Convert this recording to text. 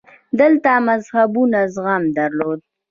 دلته مذهبونو زغم درلود